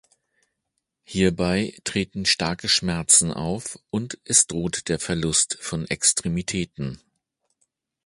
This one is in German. Hierbei treten starke Schmerzen auf, und es droht der Verlust von Extremitäten.